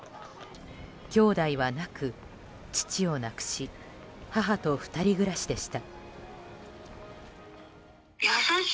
きょうだいはなく、父を亡くし母と２人暮らしでした。